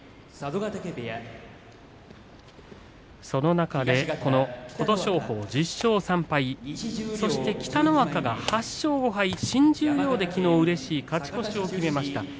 その中で琴勝峰、１０勝３敗そして北の若が８勝５敗新十両で、きのううれしい勝ち越しを決めました。